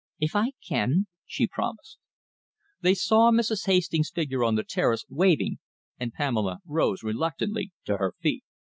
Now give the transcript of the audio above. "If I can," she promised. They saw Mrs. Hastings' figure on the terrace, waving, and Pamela rose reluctantly to her feet.